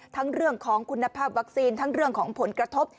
เรื่องของคุณภาพวัคซีนทั้งเรื่องของผลกระทบ